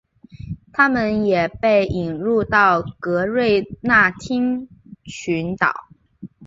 它们也被引入到格瑞纳丁群岛。